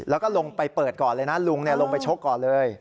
แล้วก็ลงไปเปิดก่อนเลยนะลุงลงไปชกก่อนเลย